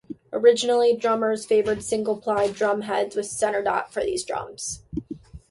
Originally, drummers favored single-ply drum heads with a center dot for these drums.